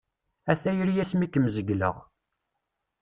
A tayri asmi kem-zegleɣ.